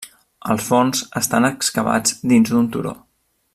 Els forns estan excavats dins d'un turó.